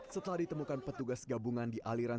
setelah ditemukan petugas gabungan di aliran